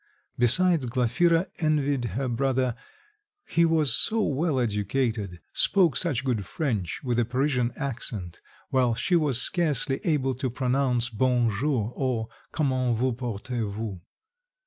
Besides, Glafira envied her brother, he was so well educated, spoke such good French with a Parisian accent, while she was scarcely able to pronounce "bon jour" or "comment vous portez vous."